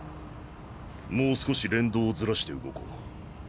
もう少し連動をズラして動こう。